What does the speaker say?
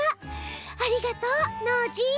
ありがとうノージー！